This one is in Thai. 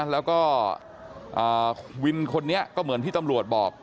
แล้วก็วินคนนี้ก็เหมือนที่ตำรวจบอก